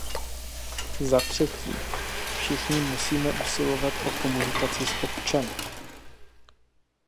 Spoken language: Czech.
Za třetí, všichni musíme usilovat o komunikaci s občany.